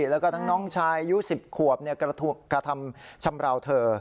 แล้วก็ทั้งน้องชายอายุ๑๐ขวบกระทำชำราวเธอ